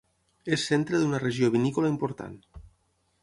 És centre d'una regió vinícola important.